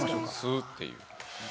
吸うっていう。